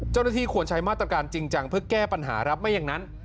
เจ้าหน้าที่ควรใช้มาตรการจริงจังเพื่อแก้ปัญหารับไม่อย่างนั้น